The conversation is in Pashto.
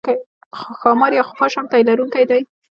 ښامار یا خفاش هم تی لرونکی دی